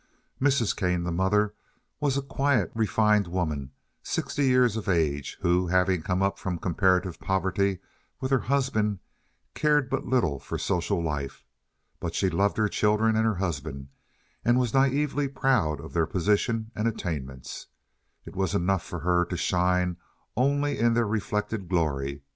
Mrs. Kane, the mother, was a quiet, refined woman, sixty years of age, who, having come up from comparative poverty with her husband, cared but little for social life. But she loved her children and her husband, and was naively proud of their position and attainments. It was enough for her to shine only in their reflected glory.